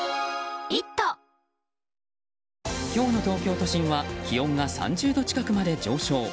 今日の東京都心は気温が３０度近くまで上昇。